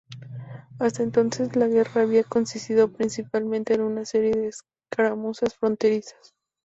Hasta entonces, la guerra había consistido principalmente en una serie de escaramuzas fronterizas.